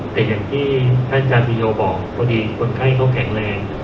แต่อย่างที่ท่านอาจารย์ปียโยบอกตัวเองคนไข้เขาแข็งแรง